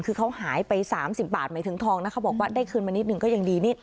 คือเขาหายไป๓๐บาทหมายถึงทองนะเขาบอกว่าได้คืนมานิดนึงก็ยังดีนี่